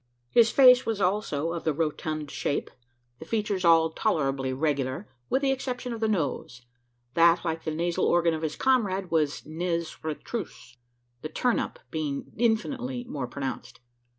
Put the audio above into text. His face was also of the rotund shape the features all tolerably regular, with the exception of the nose that, like the nasal organ of his comrade, was nez retrousse the turn up being infinitely more pronounced.